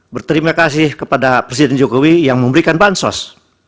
berterima kasih kepada presiden jokowi yang memberikan bansos